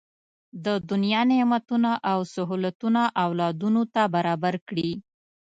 د دنیا نعمتونه او سهولتونه اولادونو ته برابر کړي.